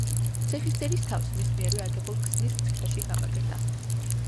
ციხისძირის თავს, მის მიერვე აგებულ ქსნის ციხეში გამაგრდა.